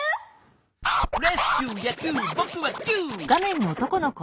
「レスキューやきゅうぼくはキュー！」